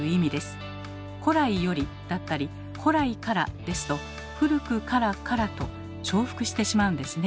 「古来より」だったり「古来から」ですと「『古くから』から」と重複してしまうんですね。